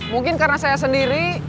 mungkin karena saya sendiri